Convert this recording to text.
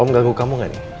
om gak kagum kamu gak nih